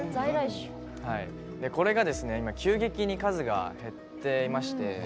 これが急激に数が減っていまして。